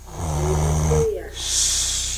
Midu peya.